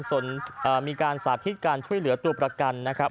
ส่วนมีการสาธิตการช่วยเหลือตัวประกันนะครับ